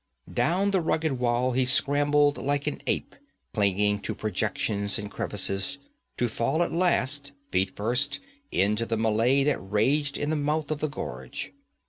Down the rugged wall he scrambled like an ape, clinging to projections and crevices, to fall at last, feet first, into the mêlée that raged in the mouth of the gorge.